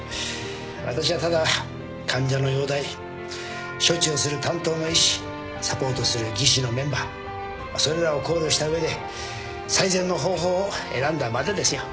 私はただ患者の容体処置をする担当の医師サポートする技師のメンバーそれらを考慮した上で最善の方法を選んだまでですよ。